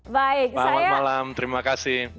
baik selamat malam terima kasih